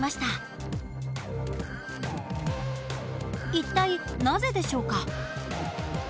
一体なぜでしょうか？